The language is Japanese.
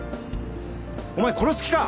お前殺す気か！